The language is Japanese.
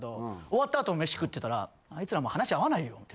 終わったあと飯食ってたら「あいつらもう話合わないよ。